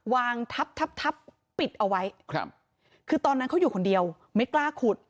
วางทับทับปิดเอาไว้ครับคือตอนนั้นเขาอยู่คนเดียวไม่กล้าขุด